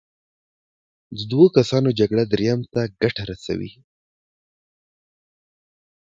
د دوو کسانو جګړه دریم ته ګټه رسوي.